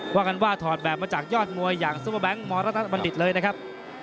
ว่ากลางงานนี้ในตอนแบบของโยชน์มวยมากมากอย่างซูเปอร์แบงค์มัฬภัณฑ์สันบันดินเลยนะครับ